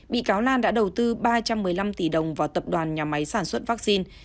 bị cáo lan đã đầu tư ba trăm một mươi năm tỷ đồng vào tập đoàn nhà máy sản xuất vaccine